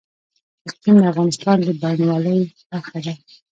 اقلیم د افغانستان د بڼوالۍ برخه ده.